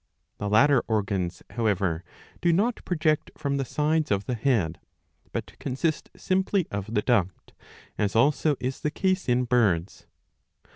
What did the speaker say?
The latter organs, however, do not project from the sides of the head, but consist simply of the duct, as also is the case in birds.